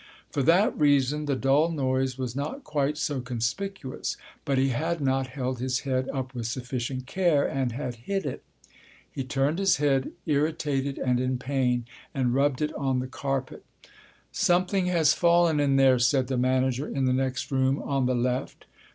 For that reason the dull noise was not quite so conspicuous. But he had not held his head up with sufficient care and had hit it. He turned his head, irritated and in pain, and rubbed it on the carpet. "Something has fallen in there," said the manager in the next room on the left.